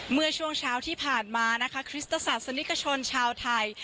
เมื่อช่วงเช้าที่ผ่านมานะคะคริสตศาสนิกชนชาวไทย